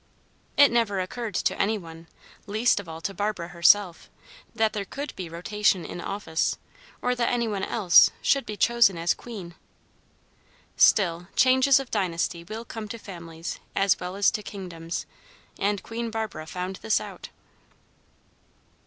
It never occurred to any one, least of all to Barbara herself, that there could be rotation in office, or that any one else should be chosen as queen. Still, changes of dynasty will come to families as well as to kingdoms; and Queen Barbara found this out.